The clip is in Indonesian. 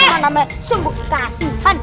cuma namanya sembuh kasihan